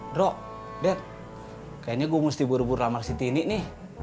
drok dad kayaknya gue mesti buru buru sama si tini nih